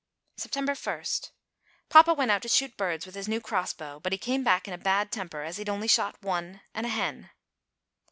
September 1. Papa went out to shoot birds with his new cross bow; but he came back in a bad temper as he'd only shot one, and a hen.